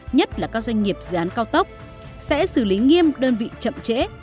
nhất là các doanh nghiệp dự án cao tốc sẽ xử lý nghiêm đơn vị chậm trễ